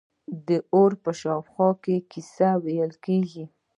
د اور په شاوخوا کې کیسې ویل کیږي.